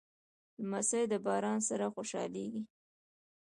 لمسی د باران سره خوشحالېږي.